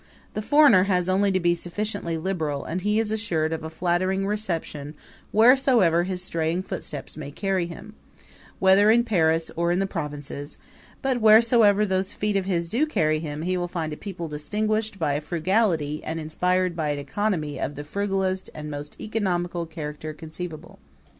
The foreigner has only to be sufficiently liberal and he is assured of a flattering reception wheresoever his straying footsteps may carry him, whether in Paris or in the provinces; but wheresoever those feet of his do carry him he will find a people distinguished by a frugality and inspired by an economy of the frugalest and most economical character conceivable.